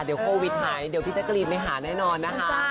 เดี๋ยวโควิดหายเดี๋ยวพี่แจ๊กรีนไปหาแน่นอนนะคะ